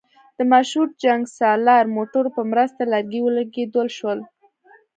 د مشهور جنګسالار موټرو په مرسته لرګي ولېږدول شول.